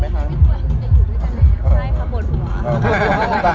เขาจะเอาเลขุ้มเจมส์